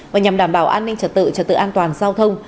và nhằm đảm bảo an ninh trật tự trật tự an toàn giao thông